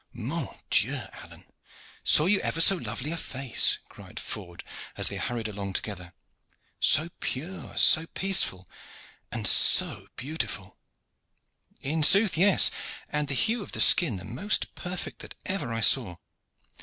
"Mon Dieu! Alleyne, saw you ever so lovely a face?" cried Ford as they hurried along together. "So pure, so peaceful, and so beautiful!" "In sooth, yes. And the hue of the skin the most perfect that ever I saw.